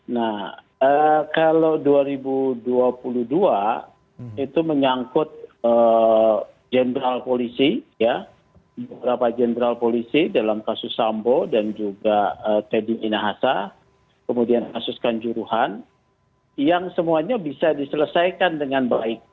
nah kalau dua ribu dua puluh dua itu menyangkut jenderal polisi beberapa jenderal polisi dalam kasus sambo dan juga teddy minahasa kemudian kasus kanjuruhan yang semuanya bisa diselesaikan dengan baik